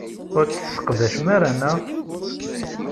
Ur t-tesseqdacem ara, naɣ?